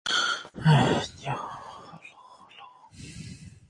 There are also "contributing stations" that furnish additional data.